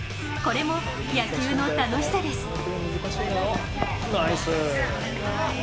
これも野球の楽しさです。